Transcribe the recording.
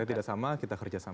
kita tidak sama kita kerja sama